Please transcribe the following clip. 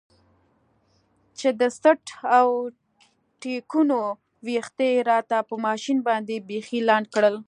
چې د څټ او ټېکونو ويښته يې راته په ماشين باندې بيخي لنډ کړل.